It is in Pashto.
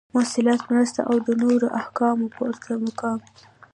مصلحت مرسله او نورو احکامو پورته مقام